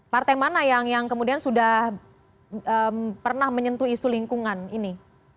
partai mana yang kemudian sudah pernah menyentuh isu lingkungan ini